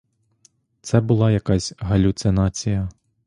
Це була якась галюцинація!